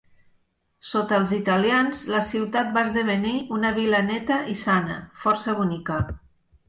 Sota els italians la ciutat va esdevenir una vila neta i sana, força bonica.